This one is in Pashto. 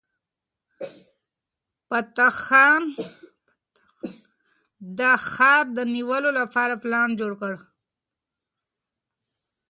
فتح خان د ښار د نیولو لپاره پلان جوړ کړ.